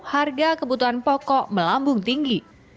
harga kebutuhan pokok melambung tinggi